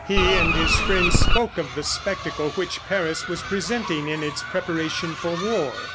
He and his friends spoke of the spectacle which Paris was presenting in its preparation for war.